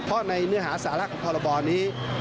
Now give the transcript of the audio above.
เพราะในเนื้อหาสาระของพรบนี้